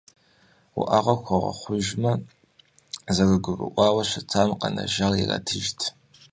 Уӏэгъэр хуэгъэхъужмэ, зэрызэгурыӏуауэ щытам къэнэжар иратыжт.